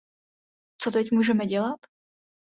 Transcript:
Co teď můžeme dělat?